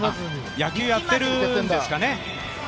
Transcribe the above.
野球やってるんですかね。